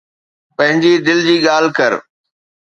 پنهنجي دل جي ڳالهه ڪر.